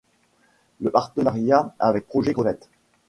Le Partenariat avec Projet-Crevette.